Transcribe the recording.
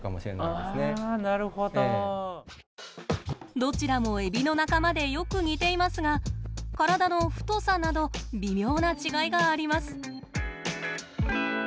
どちらもエビの仲間でよく似ていますが体の太さなど微妙な違いがあります。